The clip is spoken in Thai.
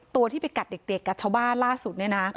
ตัวที่ไปกัดเด็กกับชาวบ้านล่าสุดเนี่ยนะ